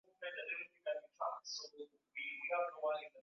Ambayo ilimpelekea kuitwa Mwanamziki wa Kiafrika mwenye mauzo bora zaidi